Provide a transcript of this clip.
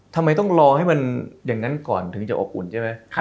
ทำไมต้องรอให้มันอย่างนั้นก่อนถึงจะอบอุ่นใช่ไหม